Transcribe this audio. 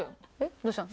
どうしたの？